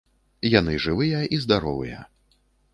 Яны жывыя і здаровыя.